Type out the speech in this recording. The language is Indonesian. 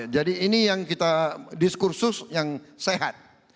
jadi ini yang kita diskursus yang sehat